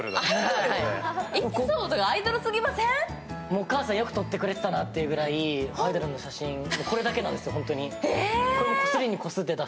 お母さん、よく撮ってくれてたなってくらい写真、これだけなんですよ、本当に。